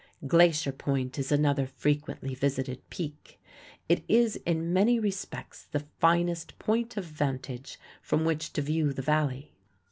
Glacier Point is another frequently visited peak. It is in many respects the finest point of vantage from which to view the Valley.